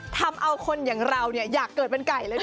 ทำเอาคนอย่างเราอยากเกิดเป็นไก่เลย